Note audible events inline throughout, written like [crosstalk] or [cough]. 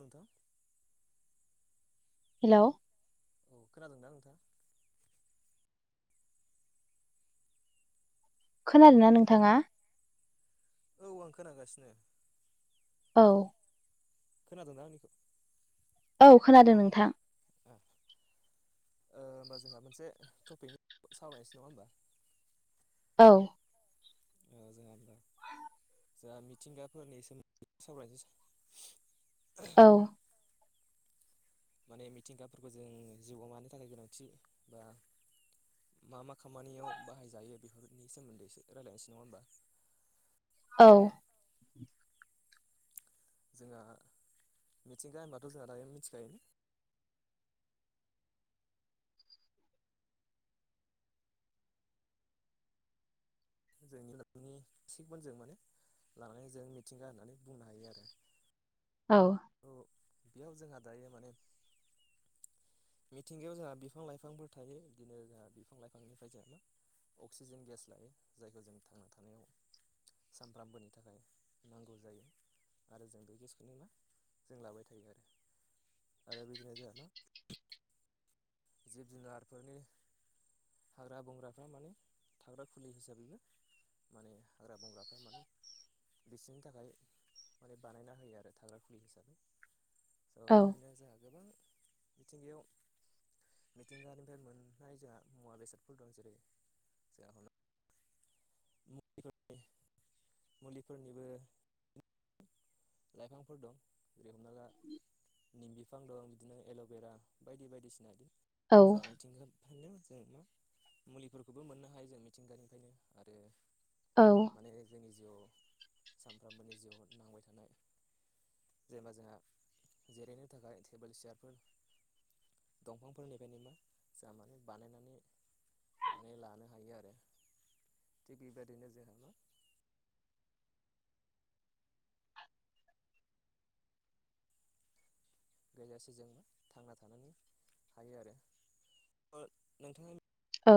नोंथां हेलौ। औ खोनादों ना नोंथां? खोनादों ना नोंथाङा? औ आं खोनागासिनो। औ। खोनादोंना आंनिखौ? औ खोनादों नोंथां। ओ ओ होमबा जोंहा मोनसे टपिक सावरायनोसै नङा होमबा? औ। ओ जाया होमबा जोंहा मिथिंगाफोरनि सोमोन्दै सावरायनोसै औ। माने मिथिंगाफोरखौ जों जिउआव मानो थाखाय गोनांथि बा मा मा खामानियाव बाहायजायो बेफोरनि सोमोन्दैसो रायलायनोसै नङा होमबा? औ। जोंहा मिथिंगा होनबाथ' जोंहा दायो मिथिखायो जोंनिनि थिगमोनजों माने लानानै जों मिथिंगा होननानै बुंनो हायो आरो। औ। ओ बेयाव जोंहा दायो माने मिथिंगायाव जोंहा बिफां लाइफांफोर थायो बिदिनो जोंहा बिफां लाइफांनिफ्राय जोंहा मा अक्सिजेन गेस लायो जायखौ जों थांना थानायाव सामफ्रामबोनि थाखाय नांगौ जायो आरो जों बे गेसखौनो मा जों लाबाय थायो आरो आरो बिदिनो जोंहा मा जिब जुनारफोरनि हाग्रा बंग्राफ्रा माने थाग्रा खुलि हिसाबैनो माने हाग्रा बंग्राफ्रा माने बिसिनि थाखाय माने बानायना होयो आरो थाग्रा खुलि हिसाबै। ओ औ बिदिनो जोंहा गोबां मिथिंगायाव मिथिंगानिफ्राय मोननाय जोंहा मुवा बेसादफोर दं जेरै जोंहा हमना निफोरनि मुलिफोरनिबो लाइफांफोर दं जेरै हमना ला निम बिफां दं बिदिनो एल'बेरा बायदि बायदिसिना दि जोंहा मिथिंगा बेनो जों मा मुलिफोरखौबो मोननो हायो जों मिथिंगानिफ्रायनो आरो औ। माने जोंनि जिउआव सानफ्रोमबोनि जिउआव नांबाय थानाय जेनेबा जोंहा जिरायनो थाखाय टेबोल चियारफोर दंफांफोरनिफ्रायनो मा जोंहा माने बानायनानै माने लानो हायो आरो थिग बेबायदिनो जोंहा मा गैयासेजोंनो थांना थानानै हायो आरो ओ नोंथाङा औ।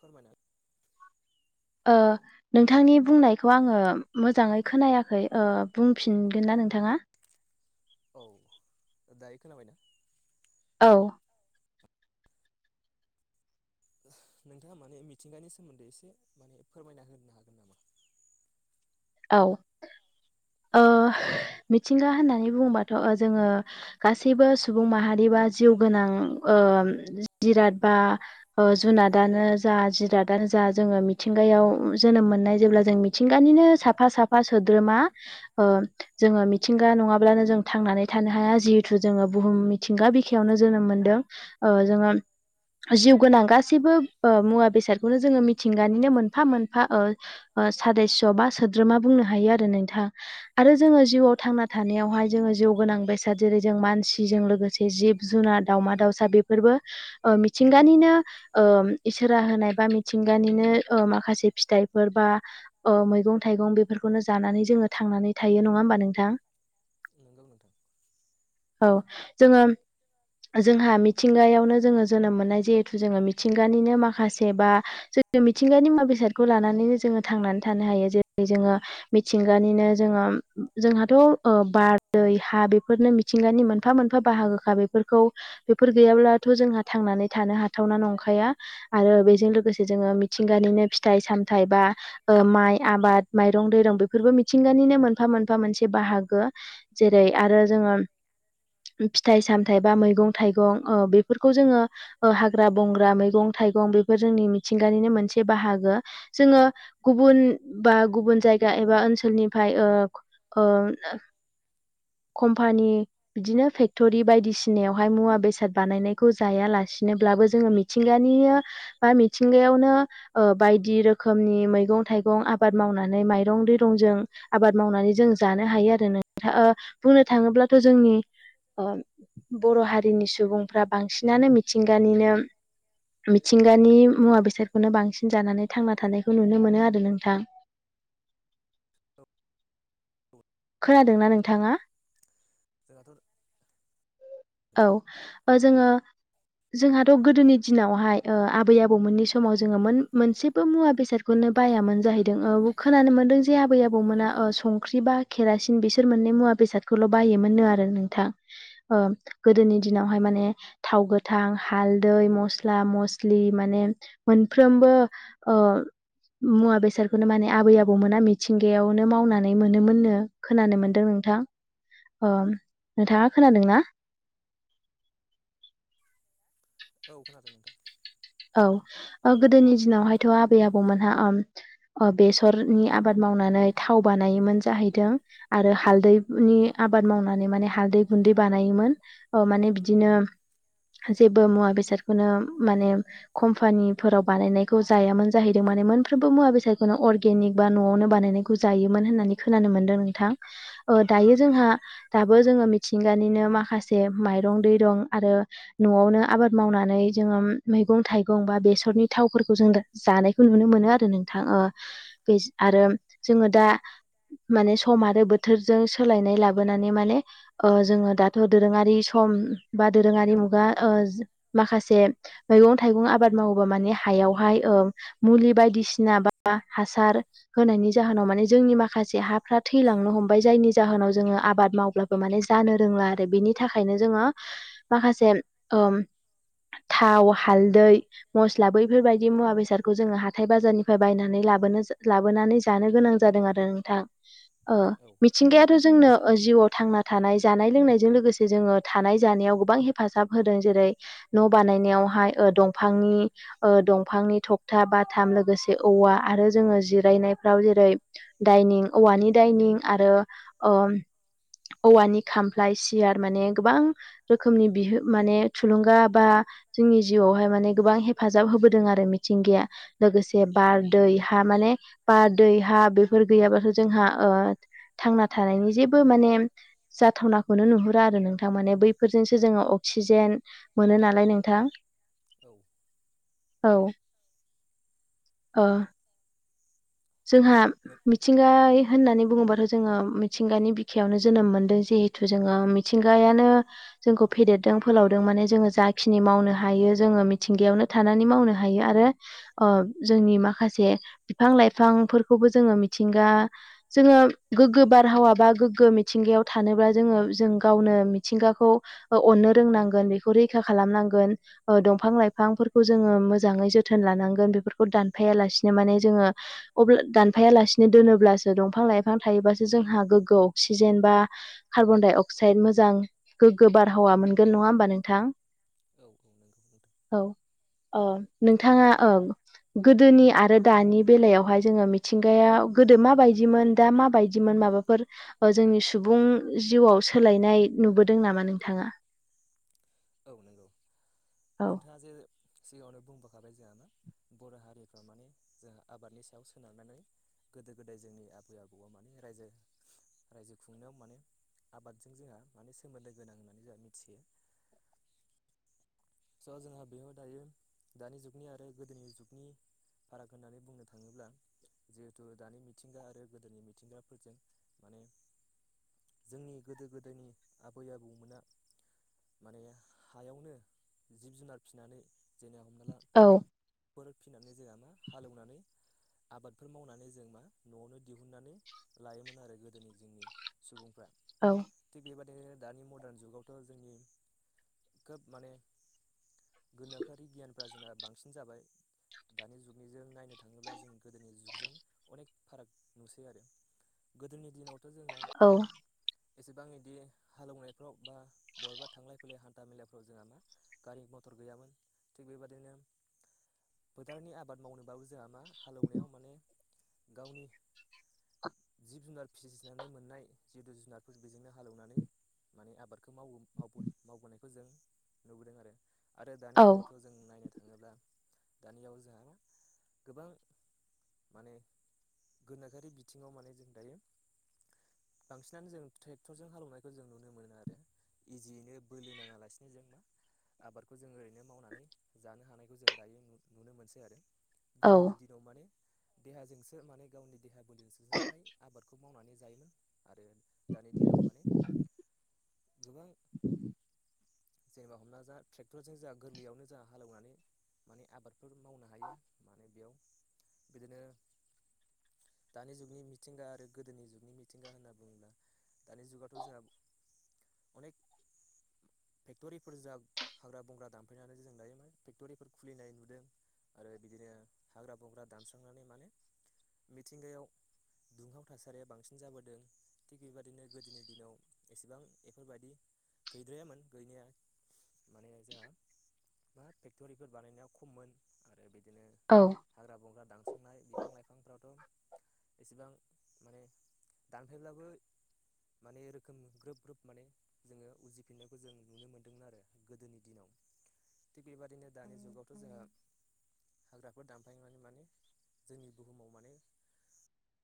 फोरमायना ओह नोंथांनि बुंनायखौ आङो मोजाङै खोनायाखै ओ बुंफिनगोन ना नोंथाङा? औ दायो खोनाबायना? औ नोंथाङा माने मिथिंगानि सोमोन्दै एसे माने फोरमायना होनो हागोन नामा औ ओ मिथिंगा होननानै बुङोबाथ' जोङो गासैबो सुबुं माहारिबा जिउओ गोनां जिराद बा ओ जुनादानो जा जिरादानो जा जोङो मिथिंगायाव जोनोम मोननाय जेब्ला जों मिथिंगानिनो साफा साफा सोद्रोमा ओ जोङो मिथिंगा नङाब्लानो जों थांनानै थानो हाया जिहेथु जोङो बुहुम मिथिंगा बिखायावनो जोनोम मोनदों। ओ जोङो जिउ गोनां गासैबो मुवा बेसादखौनो जोङो मिथिंगानिनो मोनफा मोनफाओ ओ सादेस' बा सोद्रोमा बुंनो हायो आरो नोंथां आरो जोङो जिउआव थांना थानायावहाय जोङो जि गोनां बेसाद जेरै जों मानसिजों लोगोसे जिब जुनार दाउमा-दाउसा बेफोरबो मिथिंगानिनो इसोरा होनाय बा मिथिंगानिनो माखासे फिथाइफोर बा मैगं-थाइगं बेफोरखौनो जानानै जोङो थांनानै थायो नङा होमबा नोंथां? नोंगौ नोंथां औ जोङो जोंहा मिथिंगायावनो जोङो जोनोम मोननाय जिहेथु जोङो मिथिंगानिनो माखासे बा जोङो मिथिंगानि मुवा- बेसादखौ लानानैनो जोङो थांनानै थानो हायो जेरै जोङो मिथिंगानिनो जोङो जोंहाथ' बार, दै, हा बेफोरनो मिथिंगानि मोनफा मोनफा बाहागोखा बेफोरखौ बेफोर गैयाब्लाथ जोंहा थांनानै थानो हाथावना नंखाया। आरो बेजों लोगोसे जोङो मिथिंगानिनो फिथाइ सामथायाइ बा ओ माइ आबाद माइरं दैरं बेफोरबो मिथिंगानिनो मोनफा मोनफा मोनसे बाहागो। जेरै आरो जोङो फिथाइ-सामथाइ बा मैगं- थाइगं ओ बेफोरखौ जोङो ओ हाग्रा बंग्रा मैगं थाइगं बेफोर जोंनि मिथिंगानिनो मोनसे बाहागो जोङो गुबुन बा गुबुन जायगा एबा ओनसोलनिफाय ओ ओ कम्पानि बिदिनो फेक्टरि बायदिसिनायावहाय मुवा बेसाद बानायनायखौ जायालासिनोब्लाबो जोङो मिथिंगानि बा मिथिंगायावनो ओ बायदि रोखोमनि मैगं थाइगं आबाद मावनानै माइरं दैरंजों आबाद मावनानै जों जानो हायो आरो नोंथां ओ बुंनो थाङोब्लाथ जोंनि ओ बर हारिनि सुबुंफ्रा बांसिनानो मिथिंगानिनो मिथिंगानि मुवा बेसादखौनो बांसिन जानानै थांना थानायखौ नुनो मोनो आरो नोंथां। औ औ खोनादोंना नोंथाङा जोंहाथ [unintelligible] औ ओ जोङो जोंहाथ गोदोनि दिनावहाय ओ आबै आबौमोननि समाव जोङो मोन मोनसे जेबो मुवा बेसादखौनो बायामोन जाहैदों ओ खोनानो मोनदों जे आबै आबौमोना ओ संख्रि बा केरासिन बिसोर मोननै मुवा बेसादखौल बायोमोननो आरो नोंथां ओ गोदोनि दिनावहाय माने थाव गोथां हालदै मस्ला मस्लि माने मोनफ्रोमबो ओ मुवा बेसादखौनो माने आबै आबौमोना मिथिंगायावनो मावनानै मोनोमोन नो। खोनानो मोनदों नोंथां अ नोंथाङा खोनादोंना? औ खोनादों नोंथां औ ओ गोदोनि दिनावहायथ आबै आबौमोनहा ओम ओ बेसरनि आबाद मावनानै थाव बानायोमोन जाहैदों। आरो हालदैनि आबाद मावनानै माने हालदै गुन्दै बानायोमोन। अ माने बिदिनो जेबो मुवा बेसादखौनो माने कम्पानिफोराव बानायनायखौ जायामोन जाहैदों माने मोनफ्रोमबो मुवा बेसादखौनो अर्गेनिक बा नआवनो बानायनाय जायोमोन होननानै खोनानो मोन्दों नोंथां ओ दायो औ जोंहा दाबो जोङो मिथिंगानिनो माखासे माइरं दैरं आरो नआवनो आबाद मावनानै जोङो मैगं थाइगं बा बेसरनि थावफोरखौ जों जानायखौ नुनो मोनो आरो नोंथां ओ बेस आरो जोङो दा माने सम आरो बोथोरजों सोलायनाय लाबोनानै माने ओ जोङो दाथ दोरोङारि सम बा दोरोङारि मुगा ओ माखासे मैगं थाइगं आबाद मावोबा माने हायावहाय ओ मुलि बायदिसिना बा हासार होनायनि जाहोनाव माने जोंनि माखासे हाफ्रा थैलांनो हमबाय जायनि जाहोनाव जोङो आबाद मावब्ला माने जानो रोंला आरो बिनि थाखायनो जोङो माखासे ओम थाव हालदै मस्ला बैफोरबायदि मुवा बेसादखौ जोङो हाथाय बाजारनिफ्राय बायनानै लाबोनो जों लाबोनानै जो जानो गोनां जादों आरो नोंथां ओ औ मिथिंगायाथ जोंनो ओ जिउआव थांना थानाय जानाय लोंनायजों लोगोसे जोङो थानाय जानायाव गोबां हे हेफाजाब होदों जेरै न बानायनायावहाय ओ दंफांनि ओ दंफांनि थखथा बाथाम लोगोसे औवा आरो जोङो जिरायनायफ्राव जेरै दाइनिं औवानि दाइनिं आरो ओम औवानि खामफ्लाय सियार माने गोबां रोखोमनि बिह माने थुलुंगा बा जोंनि जिउआवहाय माने गोबां हेफाजाब होबोदों आरो मिथिंगाया लोगोसे बार दै हा माने बार दै हा बेफोर गैयाबाथ' जोंहा ओ थांना थानायनि जेबो माने जाथावनाखौनो नुहुरा आरो नोंथां माने बैफोरजोंसो जोङो अक्सिजेन मोनो नालाय नों थां औ औ ओ जोंहा नों मिथिंगायै होननानै बुङोबाथ' जोङो मिथिंगानि बिखायावनो जोनोम मोनदों जे जिथु जोङो मिथिंगायानो जोंखौ फेदेरदों फोलावदों माने जोङो जाखिनि मावनो हायो जोङो मिथिंगायावनो थानानै मावनो हायो आरो ओ जोंनि माखासे बिफां लाइफां बिफांफोरखौबो जोङो मिथिंगा जोङो गोग्गो बारहावा बा गोग्गो मिथिंगायाव थानोब्ला जोङो जों गावनो मिथिंगाखौ अननो रोंनांगोन बेखौ रैखा खालामनांगोन दंफां लाइफांफोरखौ जोङो मोजाङै जोथोन लानांगोन बेफोरखौ दानफायालासिनो माने जोङो अब्ला दानफायालासिनो दोनोब्लासो दंफां लाइफां थायोबासो जोंहा गोग्गो अक्सिजेन बा कार्बनडाइ अक्साइड मोजां गोग्गो बारहावा मोनगोन नङा होमबा नोंथां औ औ नोंगौ नोंथां औ ओ नोंथाङा ओ गोदोनि आरो दानि बेलायावहाय जोङो मिथिंगायाव गोदो माबायदिमोन दा माबायदिमोन माबाफोर जोंनि सुबुं जिउआव सोलायनाय नुबोदों नामा नोंथाङा औ नंगौ औ नोंथाङा जे सिगाङावनो बुंबोखाबाय जोंहा मा बर' हारिफ्रा माने जोंहा आबादनि सायाव सोनारनानै गोदो गोदाय जोंनि आबै आबौआ माने रायजो रायजो खुंनायाव माने आबादजों जोंहा माने सोमोन्दो गोनां होननानै जोंहा मिथियो स' जोंहा बेयाव दायो दानि जुगनि आरो गोदोनि जुगनि फाराग होननानै बुंनो थाङोब्ला जिहेथु दानि मिथिंगा आरो गोदोनि मिथिंगाफोरजों माने जोंनि गोदो गोदायनि आबै आबौमोना माने हायावनो जिब जुनार फिसिनानै जेनबाव हमना ला औ फिनानै जायामा हालेवनानै आबादफोर मावनानै जों मा न'आवनो दिहुननानै लायोमोन आरो गोदोनि जोंनि सुबुंफ्रा औ थिग बेबायदिनो दानि मदारन जुगावथ' जोंनि खोब माने गोनोखोआरि गियानफ्रा जोंना बांसिन जाबाय दानि जुगनि जों नायनो थाङोब्ला जों गोदोनि जुगजों अनेक फाराग नुसै आरो गोदोनि दिनावथ' जोंहा औ एसेबां इदि हालौवनायफ्राव बा बबेबा थांलाय फैलाय हान्था मेलाफ्राव जोंहा मा गारि मथर गैयामोन थिग बेबादिनो फोथोरनि आबाद मावनोबाबो जोंहा मा हालेवनायाव माने गावनि जिब जुनार फिसिनानै मोननाय जिहथु जुनारफोरखौ बेजोंनो हालेवनानै माने आबादखौ माव मावबोनायखौ जों नुबोदों आरो आरो दानि औ जुगावथ' जों नायनो थाङोब्ला दानियाव जोंहा गोबां माने गोनोखोआर बिथिङाव माने जों दायो बांसिनानो जों ट्रेक्टरजों हालेवनायखौ जों नुनो मोनो आरो इजियैनो बोलो नाङा लासिनो जों मा आबादखौ जों ओरैनो मावनानै जानो हानायखौ जों दायो नुनो मोनसै आरो गोदोनि दिन नाव माने देहाजोंसो माने गावनि देहा बोलोजोंसोसो फ्राय आबादखौ मावनानै जायोमोन आरो दानि दिनाव माने गोबां [inaudible] जेनेबा हमना जाहा ट्रेक्टरजों जोंहा गोरलैयावनो जोंहा हालेवनानै माने आबादफोर मावनो हायो माने बेयाव बिदिनो। दानि जुगनि मिथिंगा आरो गोदोनि जुगनि मिथिंगा होनना बुङोब्ला। दानि जुगाथ' जोंहा अनेक फेक्ट'रिफोर जा हाग्रा बंग्रा दामफायनानै जों दायो फेक्ट'रिफोर खुलिनाय नुदों। आरो बिदिनो हाग्रा बंग्रा दानस्रांनानै माने मिथिंगायाव। दुंहाव थासारिया बांसिन जाबोदों। थिग बेबायादिनो गोदोनि दिनाव एसेबां बेफोरबायदि गैद्रायामोन। गैनाया माने जोंहा। मा फेक्ट'रिफोर बानायनाया खममोन आरो बिदिनो। औ हाग्रा बंग्रा दानस्रांनाय बिफां लाइफांफ्राथ' एसेबां माने दानफायब्लाबो। माने रोखोम ग्रोब ग्रोब माने जोङो उजिफिननाय खौ जों नुनो मोन्दोंमोन आरो गोदोनि दिनाव थिग बेबाददिनो दानि जुगावथ' जोङा हाग्राफोर दानफायनानै माने जोंनि बुहुमाव माने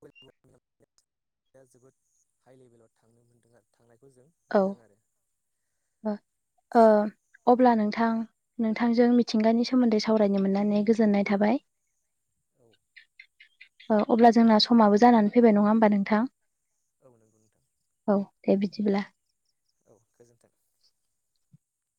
दा जोबोद हाइ लेभेलाव थांनो मोनदों थांनायखौ जों औ नुदों आरो ओ अब्ला नोंथां नोंथांजों मिथिंगानि सोमोन्दै सावरायनो मोननानै गोजोननाय थाबाय। औ ओ अब्ला जोंना समाबो जानानै फैबाय नङा होमबा नोंथां। औ नंगौ नोंथां। औ दे बिदिब्ला। औ गोजोन्थों।